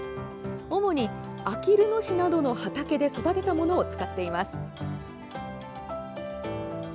主に、あきる野市などの畑で育てたものを使っています。